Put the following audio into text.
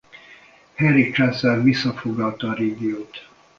Henrik császár visszafoglalta a régiót.